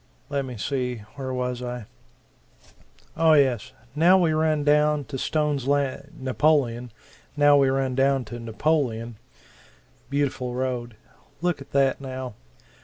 Let me see where was I? Oh yes now we run down to Stone's Lan Napoleon now we run down to Napoleon. Beautiful road. Look at that, now.